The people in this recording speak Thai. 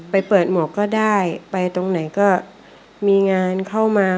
ไปเปิดหมวกก็ได้ไปตรงไหนก็มีงานเข้ามา